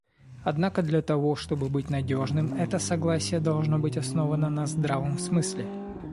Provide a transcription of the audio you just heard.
Однако, для того чтобы быть надежным, это согласие должно быть основано на здравом смысле.